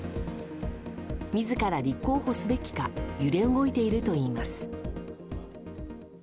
自ら立候補すべきか揺れ動いているといいます。